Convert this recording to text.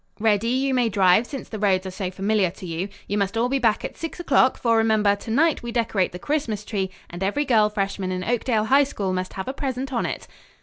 Reddy, you may drive, since the roads are so familiar to you. You must all be back at six o'clock, for, remember, to night we decorate the Christmas tree and every girl freshman in Oakdale High School must have a present on it."